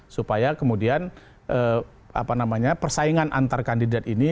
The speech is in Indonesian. supaya kemudian persaingan antar kandidat ini